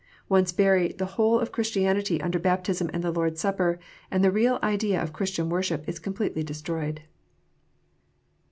Once bury the whole of Christianity under baptism and the Lord s Supper, and the real idea of Christian worship is completely destroyed.